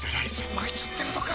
巻いちゃってるのか！！